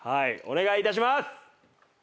お願い致します！